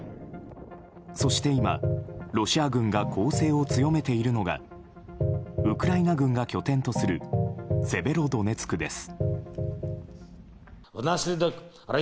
そして今、ロシア軍が攻勢を強めているのがウクライナ軍が拠点とするセベロドネツクです。